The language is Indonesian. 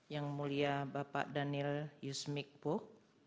yang mulia bapak daniel yusmik poh